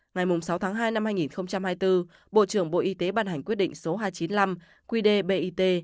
ngày sáu tháng hai năm hai nghìn hai mươi bốn bộ trưởng bộ y tế ban hành quyết định số hai trăm chín mươi năm qd bit